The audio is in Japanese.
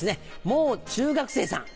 もう中学生さん。